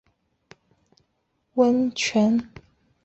箱根温泉是神奈川县足柄下郡箱根町的温泉之总称。